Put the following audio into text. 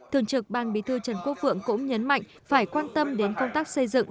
thường trực bang bí thư trần quốc phượng cũng nhấn mạnh phải quan tâm đến công tác xây dựng